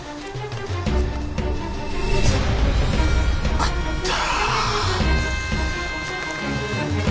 あった。